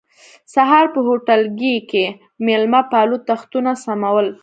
سهار په هوټلګي کې مېلمه پالو تختونه سمول.